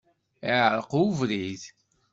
Iεreq ubrid.